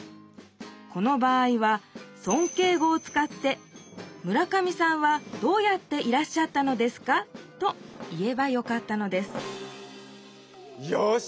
この場合はそんけい語を使って「村上さんはどうやっていらっしゃったのですか」と言えばよかったのですよし。